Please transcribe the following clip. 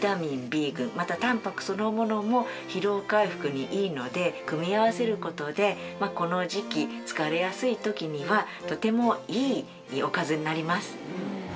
またたんぱくそのものも疲労回復にいいので組み合わせる事でこの時期疲れやすい時にはとてもいいおかずになります。